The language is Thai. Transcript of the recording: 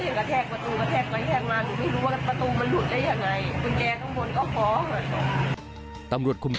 เสียหลักตอนแล้วเป็นอุปสรุปย้อนสติกลงจากประการเยี่ยมลงที่๒๐บ